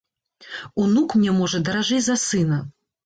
Унук мне, можа, даражэй за сына.